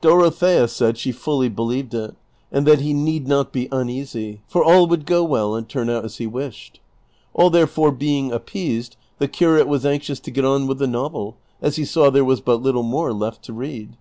Dorothea said she fully believed it, and that he need not be uneasy, for all would go well and turn out as he wished. All therefore being appeased, the curate was anxious to get on with the novel, as he saw there was but little more left to read.